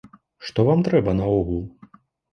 Што вам трэба наогул?